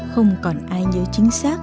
không còn ai nhớ chính xác